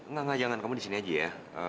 enggak enggak jangan kamu di sini aja ya